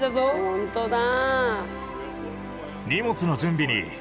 本当だ。